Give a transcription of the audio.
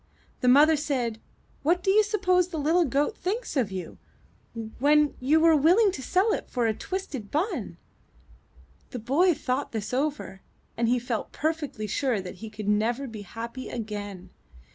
The mother said: ''What do you suppose the Httle goat thinks of you, when you were willing to sell it for a twisted bun?*' The boy thought this over, and felt perfectly sure that he could never be happy again.